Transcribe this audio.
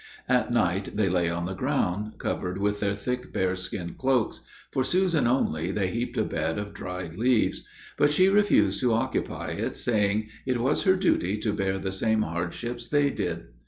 At night they lay on the ground, covered with their thick, bear skin cloaks: for Susan only, they heaped a bed of dried leaves; but she refused to occupy it, saying, it was her duty to bear the same hardships they did.